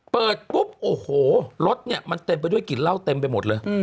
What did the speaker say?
เปิดปุ๊บโอ้โหรถเนี่ยมันเต็มไปด้วยกลิ่นเหล้าเต็มไปหมดเลย